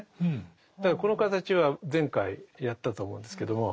だからこの形は前回やったと思うんですけども。